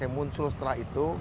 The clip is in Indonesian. yang muncul setelah itu